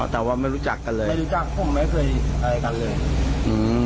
แต่ว่าไม่รู้จักกันเลยไม่รู้จักผมไม่เคยอะไรกันเลยอืม